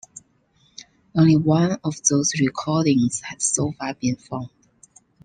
Only one of those recordings has so far been found.